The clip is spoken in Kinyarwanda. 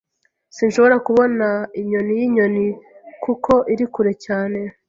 Sinshobora kubona inyoni yinyoni, kuko iri kure cyane.